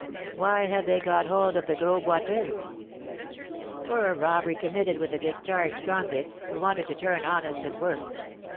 "Why have they got hold of the Gros Boiteux?" "For a robbery committed with a discharged convict, who wanted to turn honest and work.